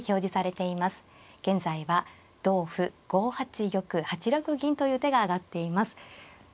現在は同歩５八玉８六銀という手が挙がっています。